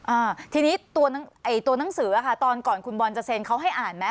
โอ้ทีนี้ตัวหนังสือก่อนคุณสินต์ก่อนก่อนคุณบอลจะเซนเขาให้อ่านไหม